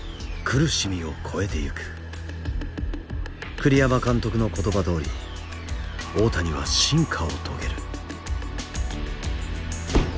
栗山監督の言葉どおり大谷は進化を遂げる。